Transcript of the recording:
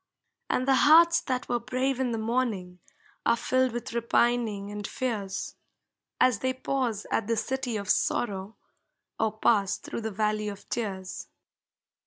And the hearts that were brave in the morning Are filled with repining and fears, As they pause at the City of Sorrow Or pass through the Valley of Tears.